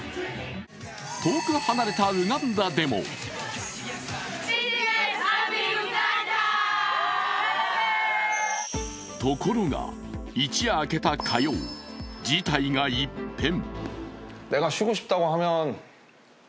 遠く離れたウガンダでもところが、一夜明けた火曜、事態が一変。